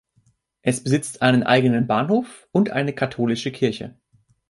Es besitzt einen eigenen Bahnhof und eine katholische Kirche.